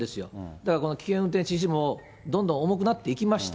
だからこの危険運転致死もどんどん重くなっていきました。